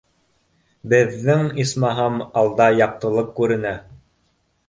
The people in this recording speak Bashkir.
Беҙҙең, исмаһам, алда яҡтылыҡ күренә